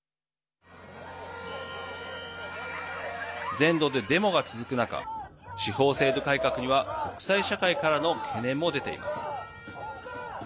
全土でデモが続く中司法制度改革には国際社会からの懸念も出ています。